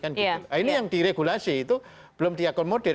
nah ini yang diregulasi itu belum diakomodir